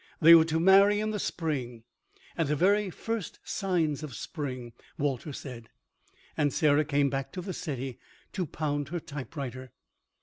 They were to marry in the spring—at the very first signs of spring, Walter said. And Sarah came back to the city to pound her typewriter.